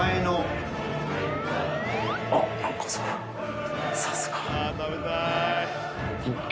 あっ何かさすが。